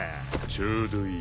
ちょうどいい。